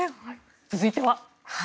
続いては。